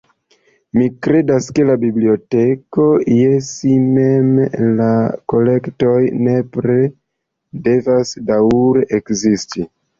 Mi kredas ke la biblioteko je si mem, la kolektoj, nepre devas daŭre ekzisti.